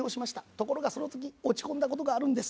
ところがその時落ち込んだ事があるんです。